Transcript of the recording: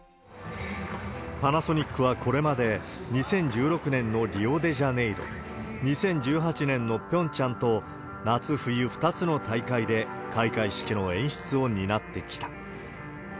パナソニックはこれまで２０１６年のリオデジャネイロ、２０１８年のピョンチャンと、夏冬２つの大会で開会式の演出を担ってきた。